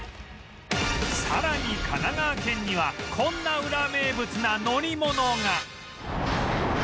さらに神奈川県にはこんなウラ名物な乗り物が！